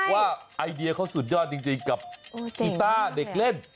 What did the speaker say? ว่าไอเดียเขาสุดยอดจริงกับกีต้าเด็กเล่น